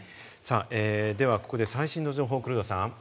ではここで最新の情報を黒田さん。